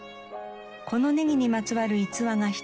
このネギにまつわる逸話が一つ。